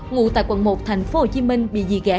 ngủ tại quận một tp hcm bị dì ghẻ